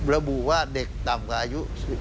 ระบุว่าเด็กต่ำกว่าอายุ